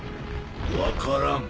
分からん。